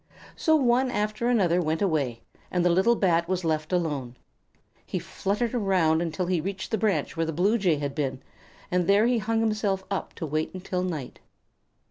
So one after another went away, and the little Bat was left alone. He fluttered around until he reached the branch where the Blue Jay had been, and there he hung himself up to wait until night.